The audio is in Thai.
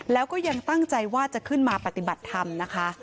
แล้วก็ยังตั้งใจว่าจะขึ้นมาปฏิบัติธรรมนะคะ